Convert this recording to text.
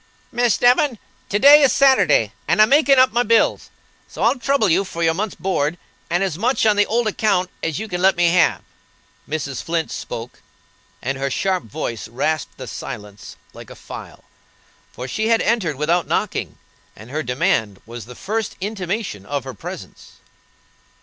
"Miss Devon, to day is Saturday, and I'm makin' up my bills, so I'll trouble you for your month's board, and as much on the old account as you can let me have." Mrs. Flint spoke, and her sharp voice rasped the silence like a file, for she had entered without knocking, and her demand was the first intimation of her presence.